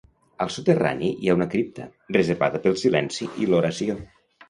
Al soterrani hi ha una cripta, reservada pel silenci i l'oració.